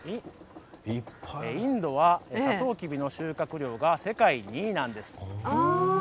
インドはサトウキビの収穫量が世界２位なんです。